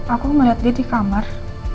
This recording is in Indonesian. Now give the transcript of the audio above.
aku melihat dia di kamar